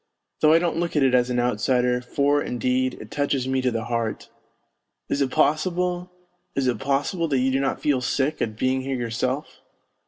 Though I don't look at it as an outsider, for, indeed, it touches me to the heart. ... Is it possible, is it possible that you do not feel sick at being here yourself